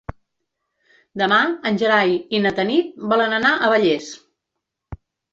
Demà en Gerai i na Tanit volen anar a Vallés.